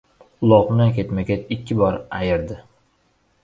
Uloqni ketma-ket ikki bor ayirdi!